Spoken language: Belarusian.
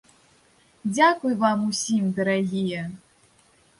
Дзякуй вам усім, дарагія!